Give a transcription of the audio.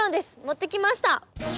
持ってきました。